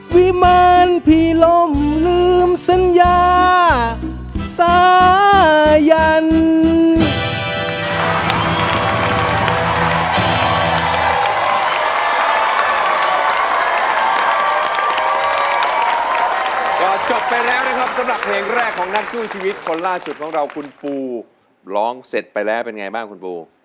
วิมารพีลมลืมสัญญาสายัน